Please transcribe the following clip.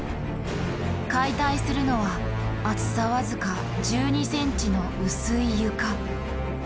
解体するのは厚さ僅か１２ｃｍの薄い床。